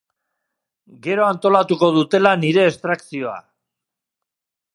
Gero antolatuko dutela nire estrakzioa.